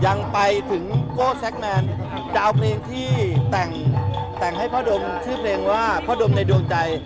ยังไปถึงโก้แซคแมนจะเอาเพลงที่แต่งแต่งให้พ่อดมชื่อเพลงว่าพ่อดมในดวงใจ